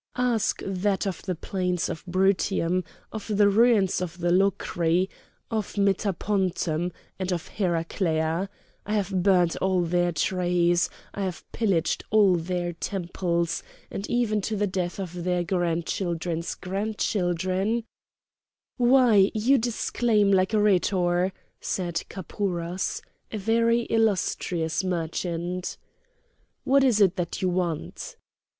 "Ask that of the plains of Brutium, of the ruins of Locri, of Metapontum, and of Heraclea! I have burnt all their trees, I have pillaged all their temples, and even to the death of their grandchildren's grandchildren—" "Why, you disclaim like a rhetor!" said Kapouras, a very illustrious merchant. "What is it that you want?"